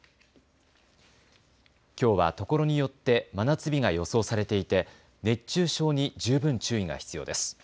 きょうはところによって真夏日が予想されていて熱中症に十分注意が必要です。